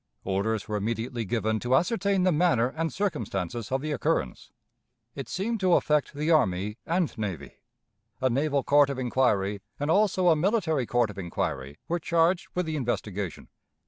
Orders were immediately given to ascertain the manner and circumstances of the occurrence. It seemed to affect the army and navy. A naval court of inquiry and also a military court of inquiry were charged with the investigation.